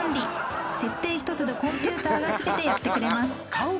設定一つでコンピューターが全てやってくれます。